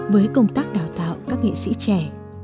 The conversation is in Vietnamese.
với công tác đào tạo các nghệ sĩ trẻ